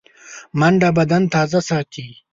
منډه بدن تازه ساتي